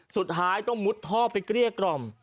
สุดท้ายต้องมุดท่อไปเกลี้ยกล่อม